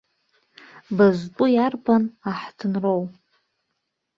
Бызтәу иарбан аҳҭынроу?